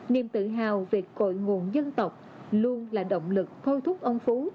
niềm tự hào về cội nguồn dân tộc luôn là động lực thôi thúc ông phú